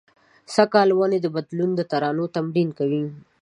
سږ کال ونې د بدلون د ترانو تمرین کوي